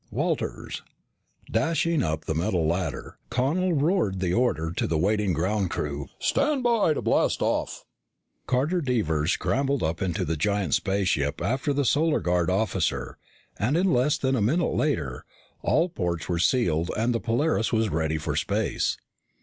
WALTERS Dashing up the metal ladder, Connel roared the order to the waiting ground crew. "Stand by to blast off." Carter Devers scrambled up into the giant ship after the Solar Guard officer, and in less than a minute later, all ports were sealed and the Polaris was ready for space.